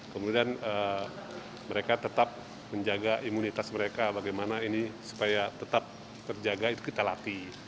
kemudian mereka tetap menjaga imunitas mereka bagaimana ini supaya tetap terjaga itu kita latih